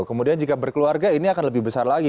kemudian jika berkeluarga ini akan lebih besar lagi